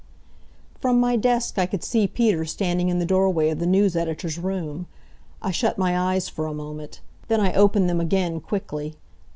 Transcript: From my desk I could see Peter standing in the doorway of the news editor's room. I shut my eyes for a moment. Then I opened them again, quickly.